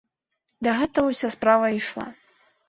Да гэтага ўся справа ішла.